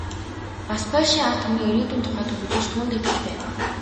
Бас польшийн ард түмний ирээдүйн тухай төлөвлөж, түүндээ итгэж байв.